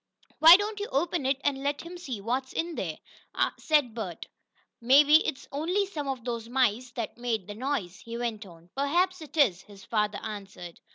"Why don't you open it, and let him see what's in there," said Bert. "Maybe it's only some of those mice that made the noise," he went on. "Perhaps it is," his father answered.